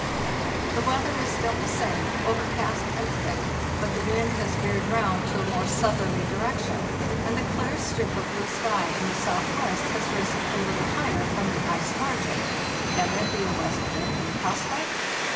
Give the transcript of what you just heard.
"The weather is still the same, overcast and thick; but the wind has veered round to a more southerly di rection, and the clear strip of blue sky in the southwest can there has risen a little higher from the ice margin be a west wind in prospect?